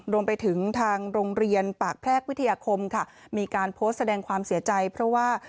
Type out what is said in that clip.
รวมไปถึงทางโรงเรียนปากแพรกวิทยาคมค่ะมีการโพสต์แสดงความเสียใจเพราะว่า